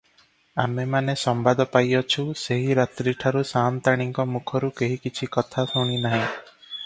ଆମେମାନେ ସମ୍ବାଦ ପାଇଅଛୁ, ସେହି ରାତ୍ରିଠାରୁ ସାଆନ୍ତାଣୀଙ୍କ ମୁଖରୁ କେହି କିଛି କଥା ଶୁଣି ନାହିଁ ।